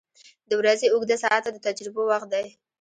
• د ورځې اوږده ساعته د تجربو وخت دی.